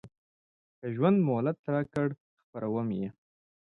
که ژوند مهلت راکړ خپروم یې.